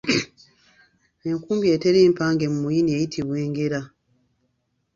Enkumbi eteri mpange mu muyini eyitibwa engera.